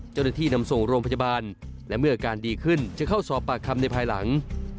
เจ้าหน้าที่นำส่งโรงพยาบาลและเมื่ออาการดีขึ้นจะเข้าสอบปากคำในภายหลัง